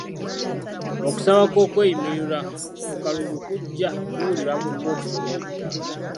Okusaba kw'okweyimirirwa ku kakalu kujja kuwulirwa kkooti ku lwokutaano.